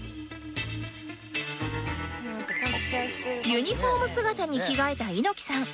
ユニフォーム姿に着替えた猪木さん